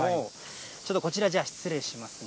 ちょっとこちら、じゃあ、失礼しますね。